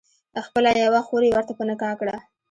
خپله یوه خور یې ورته په نکاح کړه.